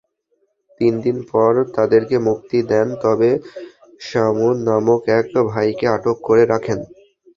তিনদিন পর তাদেরকে মুক্তি দেন, তবে শামউন নামক এক ভাইকে আটক করে রাখেন।